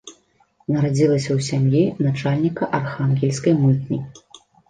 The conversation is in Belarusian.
Нарадзілася ў сям'і начальніка архангельскай мытні.